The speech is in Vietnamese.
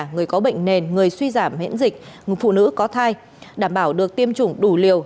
người có bệnh nền người suy giảm miễn dịch phụ nữ có thai đảm bảo được tiêm chủng đủ liều